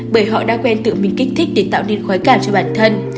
bởi họ đã quen tự mình kích thích để tạo nên khói cản cho bản thân